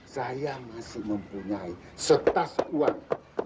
saya masih mempunyai setas uang